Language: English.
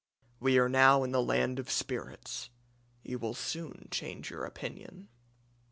We are now in the land of spirits. You will soon change your opinion.'